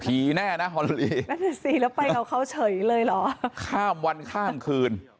แน่นะฮอโลลีนั่นแหละสิแล้วไปกับเขาเฉยเลยเหรอข้ามวันข้ามคืน